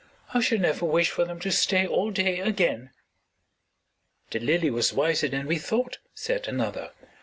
"I shall never wish for them to stay all day again." "The lily was wiser than we thought," said another.